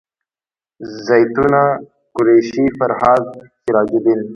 زیتونه قریشي فرهاد سراج الدین